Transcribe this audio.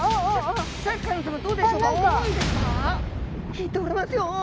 引いておりますよ！